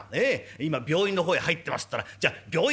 『今病院の方へ入ってます』っつったら『じゃあ病院